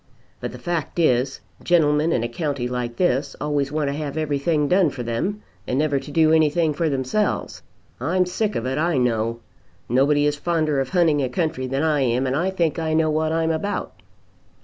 "But the fact is, gentlemen in a county like this always want to have everything done for them, and never to do anything for themselves. I'm sick of it, I know. Nobody is fonder of hunting a country than I am, and I think I know what I'm about."